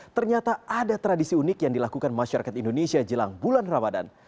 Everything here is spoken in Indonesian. ternyata ada tradisi unik yang dilakukan masyarakat indonesia jelang bulan ramadan